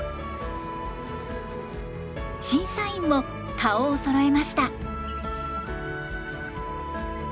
審査員も顔をそろえました。